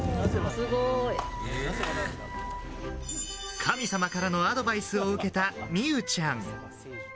神様からのアドバイスを受けた美羽ちゃん。